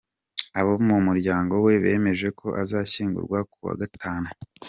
Abo mu muryango we bemeje ko azashyingurwa ku wa gatanu.